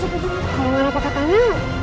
kalau gak nabak ke tanah